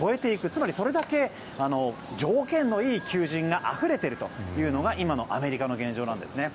つまり、それだけ条件のいい求人があふれているというのが今のアメリカの現状なんですね。